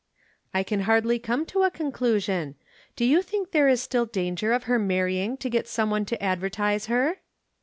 "I can hardly come to a conclusion. Do you think there is still a danger of her marrying to get someone to advertise her?"